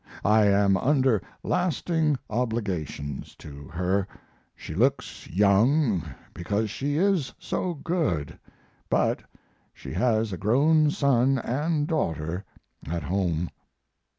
I am under lasting obligations to her. She looks young because she is so good, but she has a grown son and daughter at home.